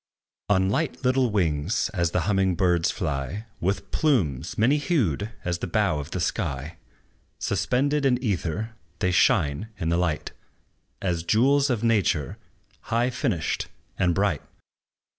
On light little wings, as the humming birds fly, With plumes many hued as the bow of the sky, Suspended in ether, they shine in the light, As jewels of nature, high finished and bright.